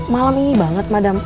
malam ini banget mada